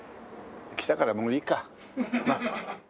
来たからもういいか。